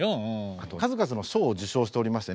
あと数々の賞を受賞しておりましてね